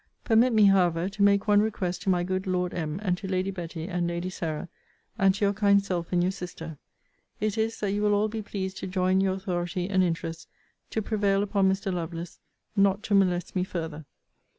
Permit me, however, to make one request to my good Lord M., and to Lady Betty, and Lady Sarah, and to your kind self, and your sister. It is, that you will all be pleased to join your authority and interests to prevail upon Mr. Lovelace not to molest me farther.